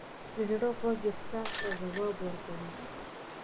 د زړه غوږ احساس ته ځواب ورکوي.